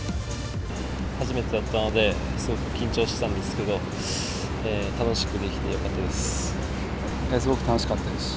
初めてだったので、すごく緊張したんですけど、楽しくできてよかったです。